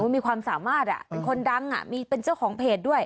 มีความสามารถเป็นคนดังมีเป็นเจ้าของเพจด้วย